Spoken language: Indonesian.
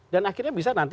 dan akhirnya bisa nanti